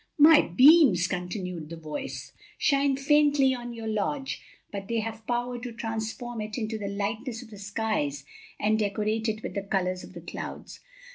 "My beams," continued the voice, "shine faintly on your lodge, but they have power to transform it into the lightness of the skies and decorate it with the colors of the clouds.